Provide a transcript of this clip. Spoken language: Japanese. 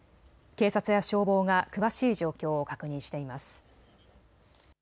警察や消防が詳しい状況を確認しています。